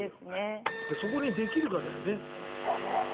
そこにできるかだよね。